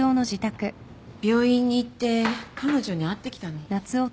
病院に行って彼女に会ってきたの。